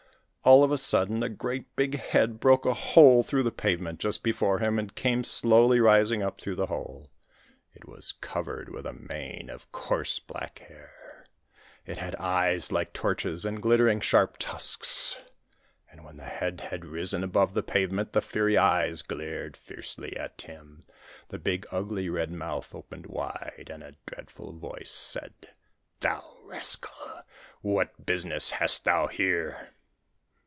All of a sudden a great big head broke a hole through the pavement just before him, and came slowly rising up through the hole. It was covered with a mane of coarse, black hair; it had eyes like torches, and glittering sharp tusks. And when the head had risen above the pavement, the fiery eyes glared fiercely at Tim; the big, ugly, red mouth opened wide, and a dreadful voice said: 'Thou rascal, what business hast thou here?'